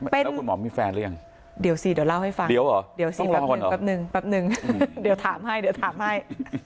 แล้วคุณหมอมีแฟนหรือยังเดี๋ยวสิเดี๋ยวเล่าให้ฟังเดี๋ยวสิแป๊บนึงเดี๋ยวถามให้